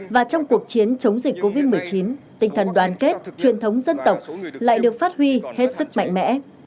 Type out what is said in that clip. và trong cuộc chiến chống dịch covid một mươi chín tinh thần đoàn kết truyền thống dân tộc lại được phát huy hết sức mạnh mẽ